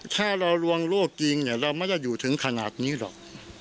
ถ้าเราลวงโลกจริงเราไม่ได้อยู่ถึงขนาดนี้หรอก